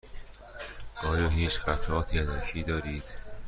آیا هیچ قطعات یدکی دارید؟